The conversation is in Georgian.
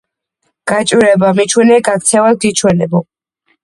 გაჭირვება მიჩვენე, გაქცევას გიჩვენებო.